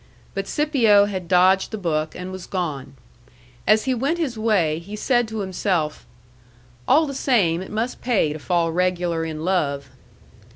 But Scipio had dodged the book, and was gone. As he went his way, he said to himself, "All the same, it must pay to fall regular in love."